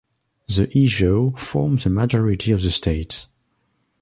The Ijaw form the majority of the state.